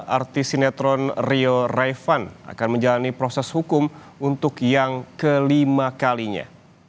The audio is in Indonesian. artis sinetron rio raivan akan menjalani proses hukum untuk yang kelima kalinya